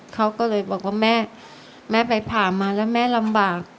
เขาก็เลยบอกว่าแม่แม่ไปผ่ามาแล้วแม่ลำบาก